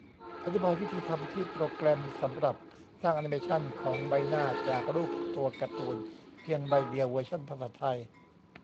อธิบายวิธีทำที่ "โปรแกรมสำหรับสร้างอนิเมชันของใบหน้าจากรูปตัวการ์ตูนเพียงใบเดียว เวอร์ชันภาษาไทย"